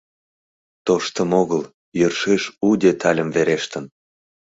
Тоштым огыл, йӧршеш у детальым верештын.